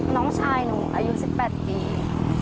น้องชายหนูอายุ๑๘ปี